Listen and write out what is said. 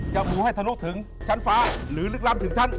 มูให้ทะลุถึงชั้นฟ้าหรือลึกล้ำถึงชั้น